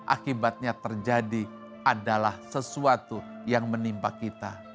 akibatnya terjadi adalah sesuatu yang menimpa kita